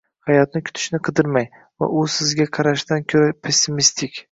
Hayotni kutishni qidirmang, u sizga qarashdan ko'ra pessimistik.